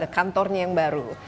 kantornya yang baru